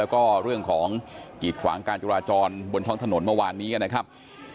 แล้วก็เรื่องของกีดขวางการจุราจรบนท้องถนนเมื่อวานนี้นะครับ